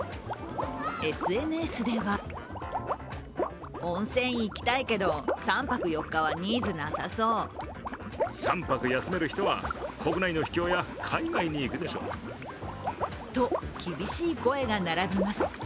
ＳＮＳではと厳しい声が並びます。